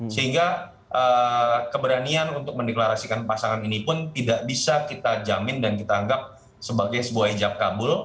sehingga keberanian untuk mendeklarasikan pasangan ini pun tidak bisa kita jamin dan kita anggap sebagai sebuah hijab kabul